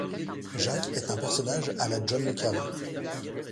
Jacques est un personnage à la John Le Carré.